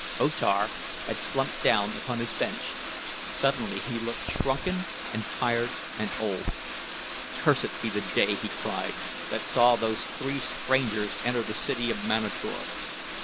O Tar had slumped down upon his bench suddenly he looked shrunken and tired and old. "Cursed be the day," he cried, "that saw those three strangers enter the city of Manator.